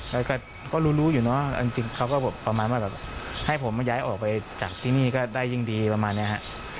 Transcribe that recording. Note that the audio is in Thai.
แล้วก็รู้รู้อยู่เนอะจริงเขาก็แบบประมาณว่าแบบให้ผมมาย้ายออกไปจากที่นี่ก็ได้ยิ่งดีประมาณนี้ฮะ